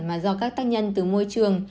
mà do các tác nhân từ môi trường